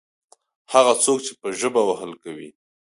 هغه څوک چې په ژبه وهل کوي.